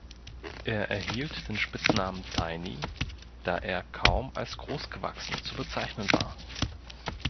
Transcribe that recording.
Er erhielt den Spitznamen „Tiny“, da er kaum als großgewachsen zu bezeichnen war.